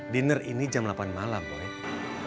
dinner ini jam delapan malam boleh